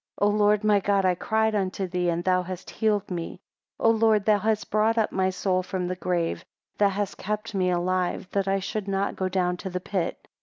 O Lord my God, I cried unto thee, and thou hast healed me." 6 "O Lord thou hast brought up my soul from the grave; thou hast kept me alive, that I should not go down to the pit."